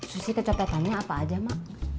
sisi kecopetannya apa aja mak